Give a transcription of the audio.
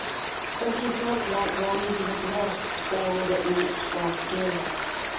But he felt like one who had lost all that makes life dear.